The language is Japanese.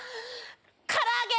から揚げ！